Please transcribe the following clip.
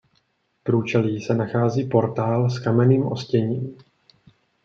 V průčelí se nachází portál s kamenným ostěním.